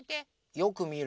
よくみるの？